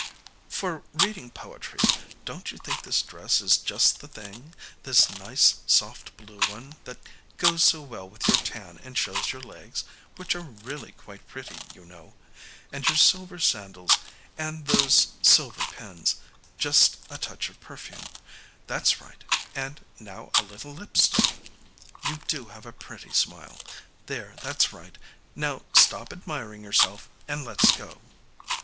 "For reading poetry, don't you think this dress is just the thing, this nice soft blue one that goes so well with your tan and shows your legs, which are really quite pretty, you know.... And your silver sandals and those silver pins ... just a touch of perfume.... That's right; and now a little lipstick. You do have a pretty smile.... There, that's right. Now stop admiring yourself and let's go."